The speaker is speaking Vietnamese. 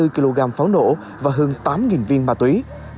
một trăm tám mươi bốn kg pháo nổ và hơn tám viên bà túy